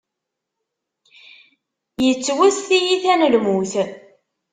Yettwet tiyita n lmut.